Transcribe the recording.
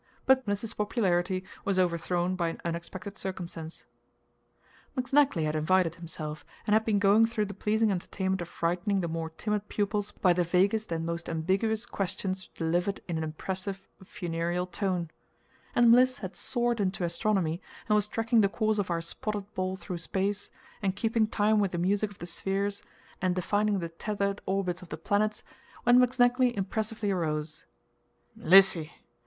But Mliss's popularity was overthrown by an unexpected circumstance. McSnagley had invited himself, and had been going through the pleasing entertainment of frightening the more timid pupils by the vaguest and most ambiguous questions delivered in an impressive funereal tone; and Mliss had soared into astronomy, and was tracking the course of our spotted ball through space, and keeping time with the music of the spheres, and defining the tethered orbits of the planets, when McSnagley impressively arose. "Meelissy!